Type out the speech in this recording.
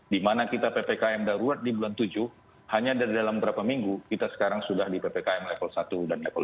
dimana kita ppkm darurat di bulan tujuh hanya dalam berapa minggu kita sekarang sudah di ppkm level satu dan level tiga